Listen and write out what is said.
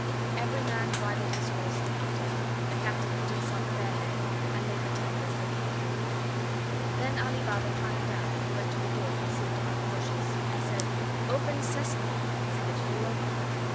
Every man bridled his horse and mounted, the Captain put himself at their head, and they returned as they came. (1) Sesame is a kind of grain. Then Ali Baba climbed down and went to the door concealed among the bushes, and said: "Open, Sesame!" and it flew open.